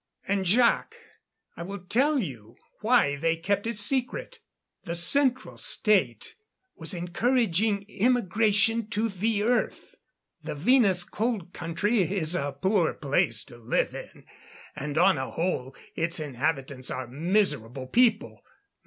And Jac, I will tell you why they kept it secret. The Central State was encouraging emigration to the Earth. The Venus Cold Country is a poor place to live in and on a whole its inhabitants are miserable people.